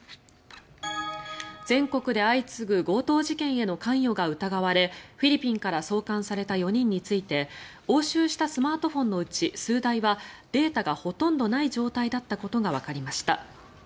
全国で相次ぐ強盗事件への関与が疑われフィリピンから送還された４人について押収したスマートフォンのうち数台はデータがほとんどない状態だったことがわかりました。